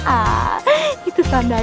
ah itu tandanya